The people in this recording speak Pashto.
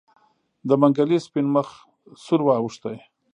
د منګلي سپين مخ سور واوښت.